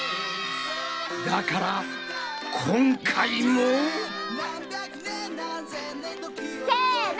だから今回も！せの！